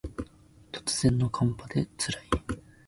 突然の寒波で辛い